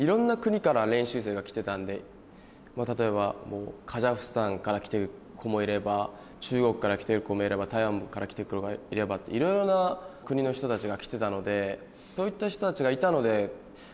例えばカザフスタンから来てる子もいれば中国から来てる子もいれば台湾から来てる子もいればっていろいろな国の人たちが来てたので。